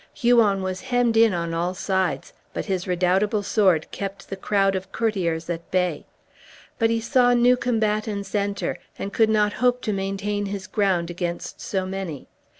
Huon was hemmed in on all sides, but his redoubtable sword kept the crowd of courtiers at bay. But he saw new combatants enter, and could not hope to maintain his ground against so many.